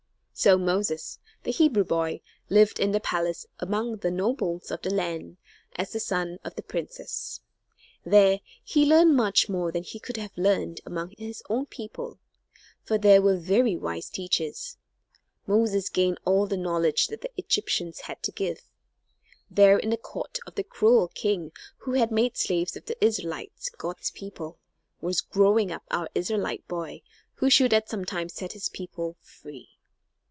So Moses, the Hebrew boy, lived in the palace among the nobles of the land, as the son of the princess. There he learned much more than he could have learned among his own people; for there were very wise teachers. Moses gained all the knowledge that the Egyptians had to give. There in the court of the cruel king who had made slaves of the Israelites, God's people, was growing up our Israelite boy who should at some time set his people free!